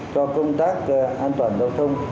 cho công tác an toàn giao thông